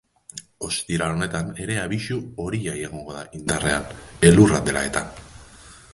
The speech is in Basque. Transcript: Ostiral honetan ere abisu horia egongo da indarrean, elurra dela-eta.